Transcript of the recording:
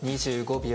２５秒。